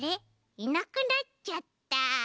いなくなっちゃった。